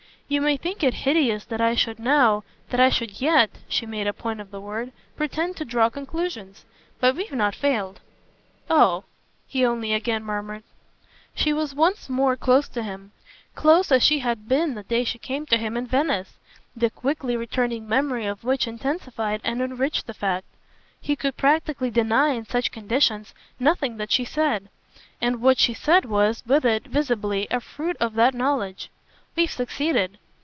"You may think it hideous that I should now, that I should YET" she made a point of the word "pretend to draw conclusions. But we've not failed." "Oh!" he only again murmured. She was once more close to him, close as she had been the day she came to him in Venice, the quickly returning memory of which intensified and enriched the fact. He could practically deny in such conditions nothing that she said, and what she said was, with it, visibly, a fruit of that knowledge. "We've succeeded."